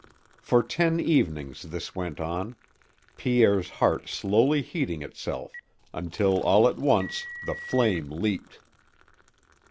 For ten evenings this went on, Pierre's heart slowly heating itself, until, all at once, the flame leaped.